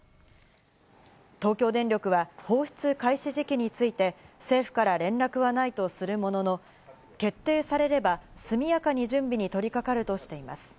東京電力は放出開始時期について、政府から連絡はないとするものの、決定されれば、速やかに準備に取りかかるとしています。